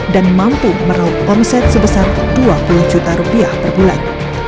dan mampu meraup omset sebesar dua puluh juta rupiah per bulan